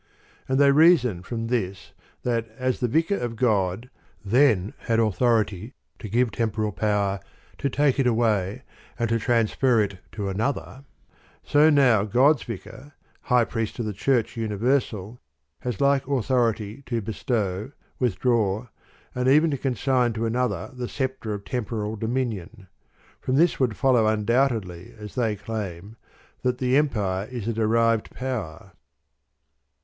And they reason from this that as the Vicar of God then had authority to give temporal power, to take it away, and to transfer it to another, so now God's Vicar, High Priest of the Church Universal, has like authority to bestow, to with draw,' and even to consign to another the scep tre of temporal dominion. From this would follow undoubtedly, as they claim, that the Em pire is a derived power.